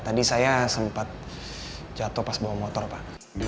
tadi saya sempat jatuh pas bawa motor pak